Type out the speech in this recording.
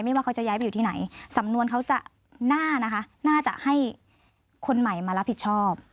ว่าเขาจะย้ายไปอยู่ที่ไหนสำนวนเขาจะหน้านะคะน่าจะให้คนใหม่มารับผิดชอบ